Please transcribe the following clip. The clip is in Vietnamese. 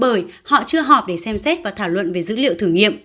bởi họ chưa họp để xem xét và thảo luận về dữ liệu thử nghiệm